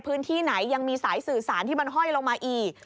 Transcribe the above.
พื้นที่ไหนยังมีสายสื่อสารที่มันห้อยลงมาอีก